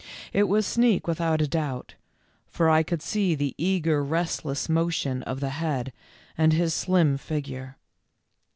It was Sneak, without a doubt, for I could see the eager rest less motion of the head, and his slim figure.